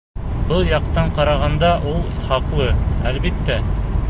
Был яҡтан ҡарағанда ул хаҡлы, әлбиттә.